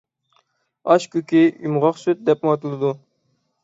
ئاشكۆكى «يۇمغاقسۈت» دەپمۇ ئاتىلىدۇ.